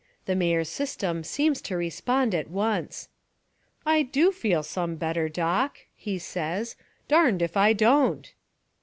The Mayor's sys tem seems to respond at once. "I do feel some better, Doc," he says, "darned if I don't."